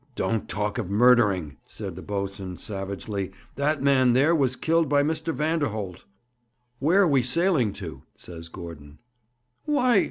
'Don't talk of murdering!' said the boatswain savagely. 'That man there was killed by Mr. Vanderholt.' 'Where are we sailing to?' says Gordon. 'Why!'